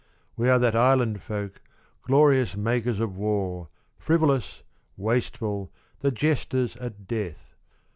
We are that island folk, glorious makers of war, Frivolous, wasteful, the jesters at death.